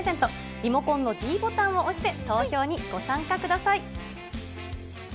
リモコンのｄボタンを押して、投票にご参加ください。